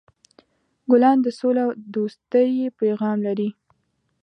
ګلان د سولهدوستۍ پیغام لري.